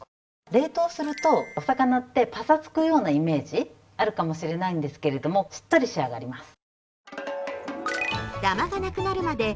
冷凍すると、お魚ってぱさつくようなイメージあると思うんですけれどもしっとり仕上がります。